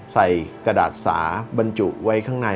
ใส่กระดาษสาบรรจุไว้ข้างใน